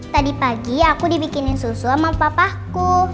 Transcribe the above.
tadi pagi aku dibikinin susu sama papaku